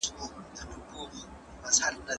د اماره پالو نفس ملونی سستول او خوشې کول